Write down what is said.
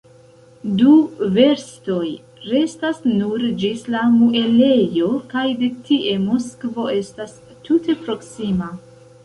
Du verstoj restas nur ĝis la muelejo, kaj de tie Moskvo estas tute proksima.